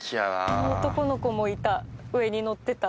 「あの男の子もいた」「上に乗ってた」